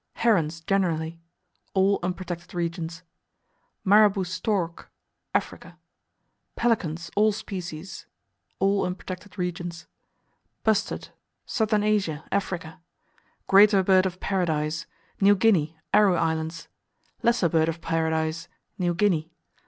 Herons, generally All unprotected regions. Marabou Stork Africa. Pelicans, all species All unprotected regions. Bustard Southern Asia, Africa. Greater Bird of Paradise New Guinea; Aru Islands. Lesser Bird of Paradise New Guinea.